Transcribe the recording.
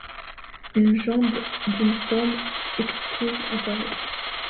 Une jambe d’une forme exquise apparut.